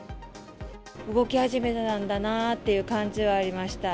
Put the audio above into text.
動き始めたんだなという感じはありました。